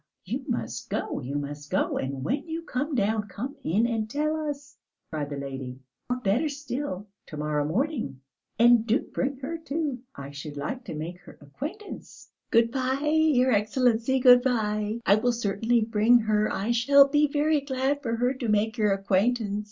"He he he! Khee khee!" "You must go, you must go! And when you come down, come in and tell us!" cried the lady; "or better still, to morrow morning. And do bring her too, I should like to make her acquaintance." "Good bye, your Excellency, good bye! I will certainly bring her, I shall be very glad for her to make your acquaintance.